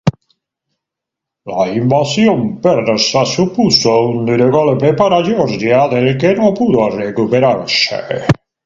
La invasión persa supuso un duro golpe para Georgia del que no pudo recuperarse.